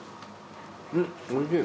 おいしい。